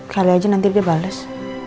cari aja nanti dia bales